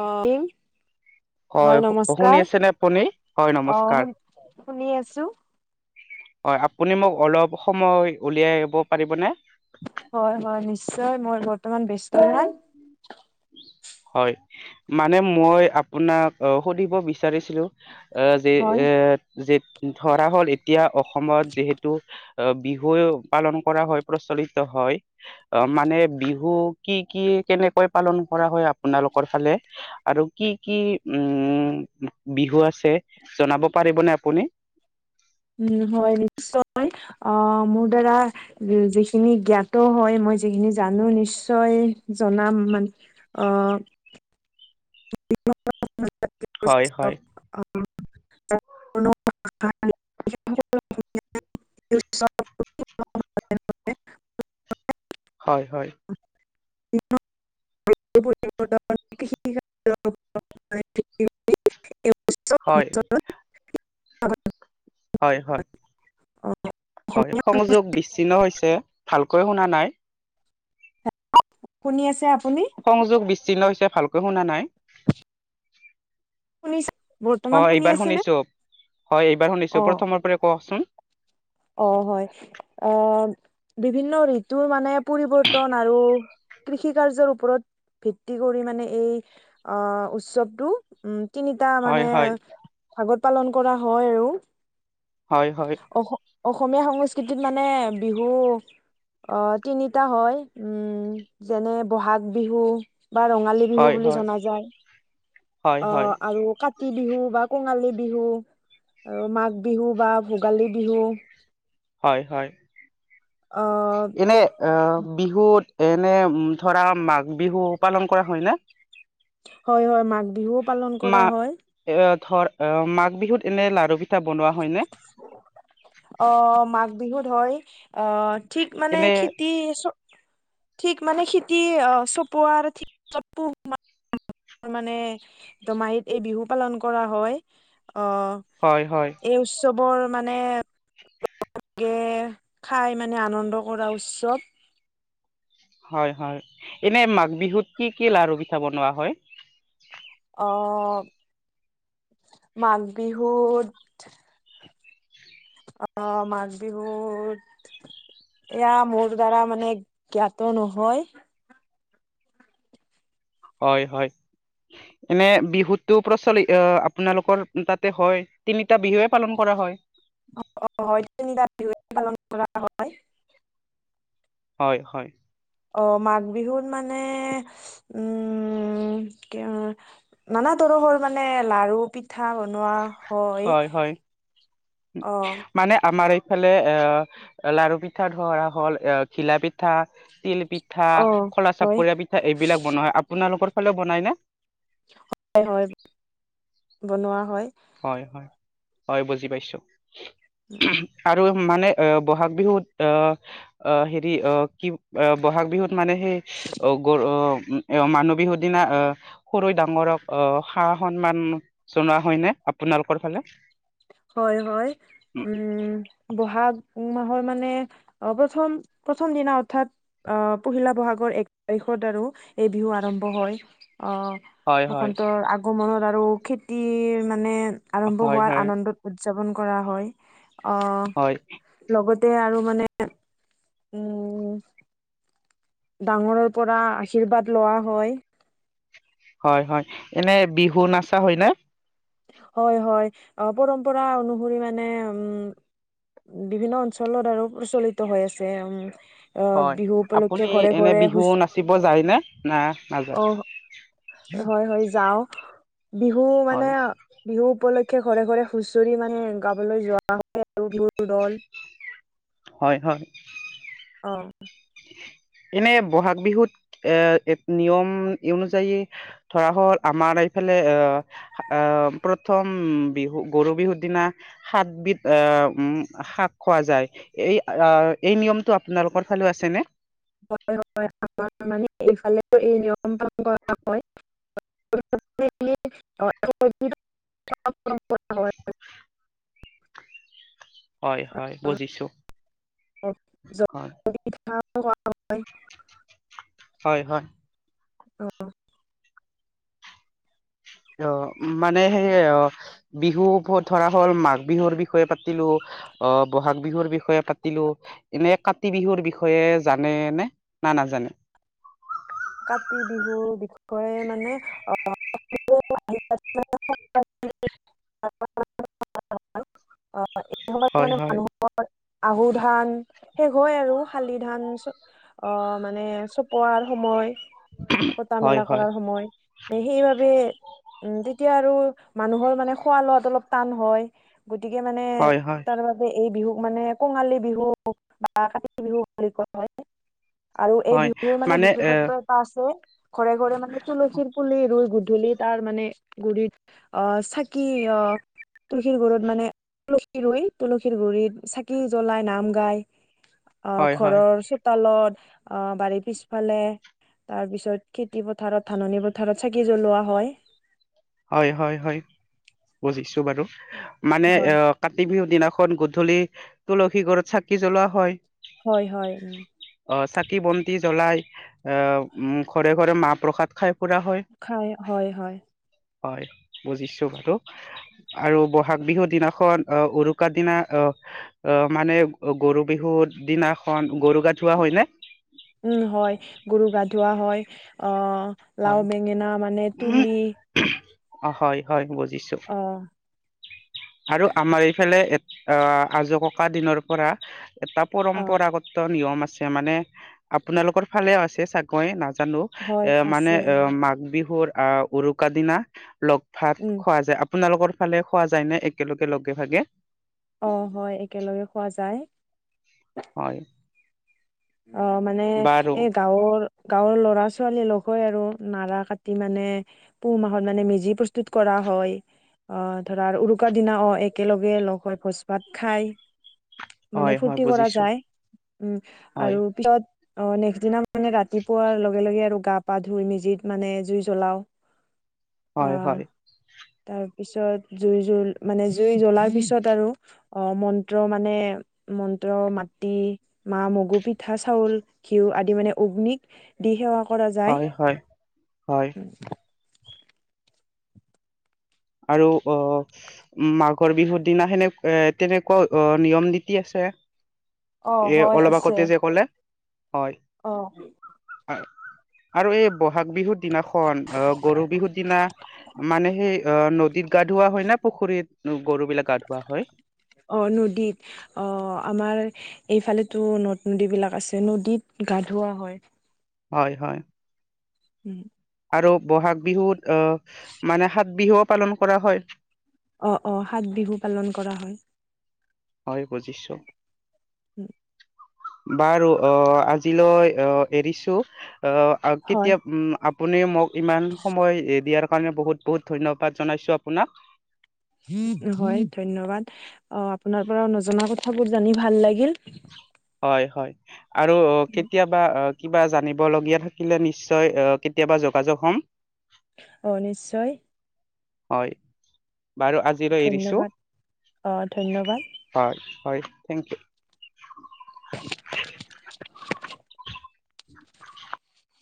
অ' [unintelligible] হয়, শুনি আছেনে আপুনি, হয় অ', নমস্কাৰ। শুন শুনি আছো হয় আপুনি মোক অলপ সময় উলিয়াব পাৰিবনে? হয় হয় নিশ্চয়, মই বৰ্তমান বেছি হয়। মানে মই আপোনাক সুধিব বিচাৰিছিলোঁ অ যি হয় এ যে ধৰাহ'ল এতিয়া অসমত যিহেতু বিহু পালন কৰা হয়, প্ৰচলিত হয় হয, অ মানে বিহু কি কি কেনেকৈ পালন কৰা হয় আপোনালোকৰ ফালে আৰু কি কি, উম বিহু আছে, জনাব পাৰিবনে আপুনি? [inaudible] উম হয় নিশ্চয়, অ', মোৰ দ্বাৰা যিখিনি জ্ঞাত হয় মই মই যিখিনি জানো নিশ্চয় জনাম মান, অ' হয় হয় [unintelligible] [unintelligible] [unintelligible] হয় হয়। [unintelligible] [unintelligible] হয় [unintelligible] হয় হয়। হয় সংযোগ বিচ্ছিন্ন হৈছে ভালকৈ শুনা নাই। আছে আপুনি সংযোগ বিচ্ছিন্ন হৈছে ভালকৈ শুনা নাই। শুনিছে বৰ্তমান অ', শুনি এইবাৰ আছেনে? শুনিছো হয় এইবাৰ শুনিছো অ', প্ৰথমৰ পৰা কওকচোন। অ হয় আহ বিভিন্ন ঋতুৰ মানে পৰিৱৰ্তন আৰু। কৃষি কাৰ্যৰ ওপৰত ভিত্তি কৰি মানে এই অ, উৎসৱটো উম, তিনিটা হয় মানে হয় ভাগত পালন কৰা হয় আৰু। হয়, হয় অস অসমীয়া সংস্কৃতিত মানে বিহু অ, তিনিটা হয় উম, যেনে বহাগ বিহু বা ৰঙালী বিহু হয় বুলি হয় জনা যায় হয় অ, হয় আৰু কাতি বিহু বা কঙালী বিহু আৰু মাঘ বিহু বা ভোগালী বিহু। হয় হয় আহ এনে অ, বিহুত এনে ধৰা মাঘ বিহু পালন কৰা হয় নে? হয় হয় মাঘ বিহুও পালন কৰা মা হয়। এ ধৰ অ, মাঘ বিহুত এনে লাৰু পিঠা বনোৱা হয় নে? অ', ঠিক মানে খেতি চ ঠিক মানে খেতি অ, চপোৱাৰ ঠিক [unintelligible] তাৰ মানে দোমাহীত এই বিহু পালন কৰা হয়। অ, হয় হয় এই উৎসৱৰ মানে লাগে খাই মানে আনন্দ কৰা উৎসৱ। হয় হয় এনে মাঘ বিহুত কি কি লাৰু পিঠা বনোৱা হয়? অ, মাঘ বিহুত অ, মাঘ বিহুত এয়া মোৰ দ্বাৰা মানে জ্ঞাতো নহয় হয় হয় এনে বিহুতটো প্ৰচলিত আপোনালোকৰ তাতে হয় তিনিটা বিহুৱে পালন কৰা হয়। হয় তিনিতা বিহুৱে পালন কৰা হয়। হয় হয় অ, মাঘ বিহুত মানে উম, কিএ নানা ত তৰহৰ মানে লাৰু পিঠা পিঠা বনোৱা হয়, অ, ইফালে এ লাৰু পিঠা ধৰা হ'ল, এ ঘিলা পিঠা, তিল পিঠ পিঠা, অ খলা হয় চাপৰীয়া পিঠা, এইবিলাক বনোৱা হয় আপোনালোকৰ ফালেও বনাই নে? হয় বনোৱা হয় হয়, হয়, হয়, বুজি পাইছো আৰু মানে অ, ব'হাগ বিহুত অ, অ, হেৰি অ, কি অ, বহাগ বিহুত মানে সেই অ, গৰু অ উম, মানুহ বিহু দিনা অ, সৰুই ডাঙৰক অ, সা-সন্মান জনোৱা হয়নে? আপোনালোকৰ ফালে? হয়, হয়, উম, ব'হাগ মাহৰ মানে, অ, প্ৰথম-প্ৰথম দিনা অৰ্থাৎ অ, পহিলা বহাগত এক তাৰিখত আৰু এই বিহু আৰম্ভ হয়। অ, হয় হয় বসন্তৰ আগমনত আৰু খেতিৰ মানে আৰম্ভ হয় হোৱাৰ হয় আনন্দত উদযাপন কৰা হয় অ, হয় লগত তে আৰু মানে উম, ডাঙৰৰ পৰা আশীৰ্বাদ লোৱা হয়। হয় হয়, এনে বিহু নাচা হয় নে? হয় হয়, পৰম্পৰা অনুসৰি মানে উম, বিভিন্ন অঞ্চলত আৰু প্ৰচলিত হৈ আছে, উম, অ, হয় বিহু আপুনি উপলক্ষে ঘৰে এনে ঘৰে বিহু হুচ, নাচিব যায়নে না নাযায় অ, হয়- হয় যাও, বিহু হয় মানে বিহু উপলক্ষে ঘৰে- ঘৰে হুচৰি মানে গাবলৈ যোৱা হয় আৰু বিহুৰ দল। হয় হ। অ', এনে ব'হাগ বিহুত এ নিয়ম অনুযায়ী ধৰা হ'ল আমাৰ এফালে এ-এ প্ৰথম বিহু-গৰু বিহুৰ দিনা সাতবিধ এ আহ উম, শাক খোৱা যায়। এই -এই নিয়মটো আপোনালোকৰ ও ফালে আছেনে? হয়- হয়, আমাৰ মানে এইফালে এই নিয়ম পালন কৰা হয়। [unintelligible] [inaudible] হয় - হয়, বুজিছো অ, হয়। [unintelligible] হয় - হয়। অ', অ, মানে সেই বিহু প-ধৰা হ'ল মাঘ বিহুৰ বিষয়ে পাতিলো, অ, ব'হাগ বিহুৰ বিষয়ে পাতিলো। এনে কাতি বিহুৰ বিষয়ে জানেনে? নাজানে? [inaudible] কাতি [unintelligible] [unintelligible] আহ এইটো সময়ত হয় মানে হয় মানুহৰ আহু ধান শেষ হয় আৰু, শালি ধান চ অ, মানে চপোৱাৰ সময়। কটা হয় মেলা হয় কৰাৰ সময়। সেইবাবে, উম, তেতিয়া আৰু মানুহৰ মানে খোৱা-লোৱাত অলপ টান হয়। গতিকে মানে হয় হয় তাৰ বাবে এই বিহু মানে কঙালী বিহু বা কাতি বিহু বুলি কোৱা হয়। আৰু এই হয় বিহুৰো মানে এ বিশেষত্ব এটা আছে, ঘৰে ঘৰে মানে তুলসীৰ পুলি ৰুই গু ধূলি তাৰ মানে গুৰিত আহ চাকি অ, তুলসীৰ গুৰত মানে, তুলসী ৰুই তুলসীৰ গুৰিত চাকি জ্বলাই নাম গায়। অ, হয় হয় ঘৰৰ চোতালত, অ বাৰীৰ পিছফালে। তাৰপিছত খেতি পথাৰত ধাননি পথাৰত চাকি জ্বলোৱা হয়। হয়-হয়- হয় বুজিছো বাৰু মানে এ হয় কাতি বিহু দিনা খন গধূলি তুলসী গৰত চাকি জ্বলোৱা হয়। হয়-হয়। খাকি বন্তি জ্বলাই ঘৰে- ঘৰে মাহ প্ৰসাদ খাই। ফুৰা হয় খাই হয়-হয়। হয় বুজিছো বাৰু আৰু বহাগ বিহুৰ দিনাখন আহ উৰুকাৰ দিনা অ, মানে গৰু বিহুৰ দিনাখন গৰু গা ধওৱা হয়নে। উম, হয়। গৰু গা ধোৱা হয় অ, লাও হয় বেঙেনা মানে তুলি অ, হয়-হয় বজ অহ ', আৰু আমাৰ এইফালে এ অহ, আজো ককা দিনৰ পৰা। এটা অ পৰম্পৰাগত নিয়ম আছে মানে আপোনালোকৰ ফালে আছে চাগৈ ন। জানো হয় এ মানে আছে অহ, মাঘ বিহুৰ আহ উৰুকা দিনা। লগ ভাগ উম খোৱা যায়। আপোনালোকৰ ফালে খোৱা যায় নে একেলগে লগে ভাগে। অ, হয় একেলগে খোৱা যায়। হয় অ, মানে বাৰু এই গাৱৰ গাৱৰ ল'ৰা ছোৱালী লগ হৈ আৰু নাৰা কাটি মানে পুহ মাহত মানে মেজি প্ৰস্তুত কৰা। হয় আহ ধৰা উৰুকাৰ দিনা অ একেলগে লগ হৈ ভোজ ভাত খাই। মানে হয় হয় ফুৰ্তি কৰা বুজিছো যায় উম, হয় আৰু পিছত অ', নেক্সট দিনা মানে ৰাতিপুৱাৰ লগে লগে আৰু গা- পা ধুই মেজিত মানে জুই জ্বলাও [inaudible] হয়, আহ হয় তাৰপিছত জুই জল মানে জুই জ্বলাৰ পিছত আৰু অ', মন্ত্ৰ মানে মন্ত্ৰ মাটি মা মগু পিঠা চাউল ঘিউ আদি মানে অগ্নিক দি সেৱা কৰা যায় হয় হয় হয় আৰু অ' মাঘৰ বিহুৰ দিনা সেনে এ তেনেকুৱাও অ নিয়ম নীতি আছে অ এ হয় অলব আছে আগতে যে কলে হয় অ', আৰু এই বহাগ বিহুত দিনাখন অ', গৰু বিহুৰ দিনা মানে সেই অ', নদীত গা ধুওা হয় না পুখুৰীত গৰু বিলাক গা ধুা অ, ' নদীত অ আমাৰ এইফালেতো নদ- নদী বিলাক আছে নদীত গা ধওৱা হয় হয়, হয় উম আৰু বহাগ বিহুত আহ মানে সাত বিহুও পালন কৰা হয় অ' অ' সাত বিহু পালন কৰা হয়। হয় বুজিছো উম বাৰু অ আজিলৈ অহ এৰিছো অ আৰ হয় কেতিয়া আপ আপুনি মোক ইমান সময় দিয়াৰ কাৰণে বহুত বহুত ধন্যবাদ জনাইছো আপোনাক। হয় ধন্যবাদ। অ আপোনাৰ পৰা নজনা কথাবোৰ জানি ভাল লাগিল। হয় হয় আৰু কেতিয়াবা কিবা জানিব লগীয়া থাকিলে নিশ্চয় অহ কেতিয়াবা যোগাযোগ হম। অহ নিশ্চয় হয় বাৰু আজিলৈ এৰিছো ধন্যবাদ অ ধন্যবাদ হয়। হয় থেংক ইউ। [unintelligible] [unintelligible]